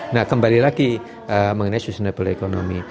nah kembali lagi mengenai sustainable economy